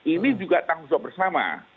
ini juga tanggung jawab bersama